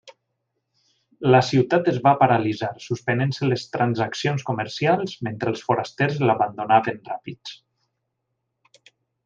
La ciutat es va paralitzar, suspenent-se les transaccions comercials, mentre els forasters l'abandonaven ràpids.